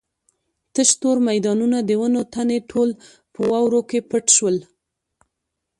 تش تور میدانونه د ونو تنې ټول په واورو کې پټ شول.